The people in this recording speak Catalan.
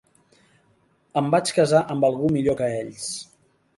Em vaig casar amb algú millor que ells.